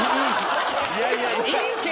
いやいいいいけど。